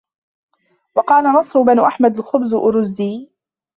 وَقَالَ نَصْرُ بْنُ أَحْمَدَ الْخُبْزُ أَرُزِّيٍّ